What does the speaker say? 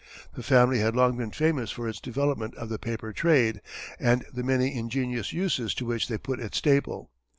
The family had long been famous for its development of the paper trade, and the many ingenious uses to which they put its staple.